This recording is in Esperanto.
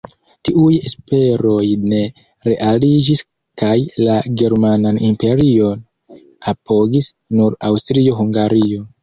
Tiuj esperoj ne realiĝis kaj la Germanan Imperion apogis nur Aŭstrio-Hungario.